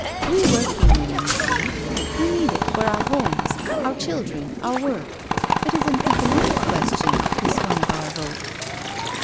" We working women, you see — ^we need it for our homes, our chil dren, our work^it is an economic question, this one of our vote."